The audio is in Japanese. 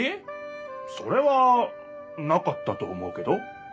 それはなかったと思うけど。